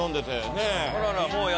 ねえ。